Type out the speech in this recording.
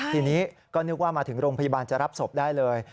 ทีนี้ก็นึกว่ามาถึงโรงพยาบาลจะรับศพได้เลย